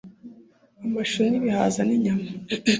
amashu nibihaza, ni nyanya,